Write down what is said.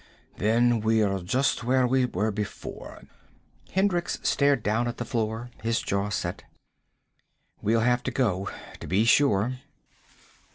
"Then we're just where we were before." Hendricks stared down at the floor, his jaw set. "We'll have to go. To be sure."